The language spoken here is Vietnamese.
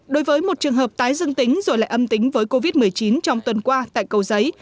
đối với một trường hợp tái dương tính rồi lại âm tính với covid một mươi chín trong tuần qua tại cầu giấy